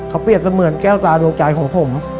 เขาเปรียบเสมือนแก้วตาดวงใจของผม